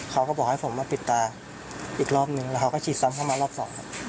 เขาก็บอกให้ผมมาปิดตาอีกรอบนึงแล้วเขาก็ฉีดซ้ำเข้ามารอบสองครับ